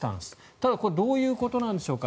ただ、これどういうことなんでしょうか。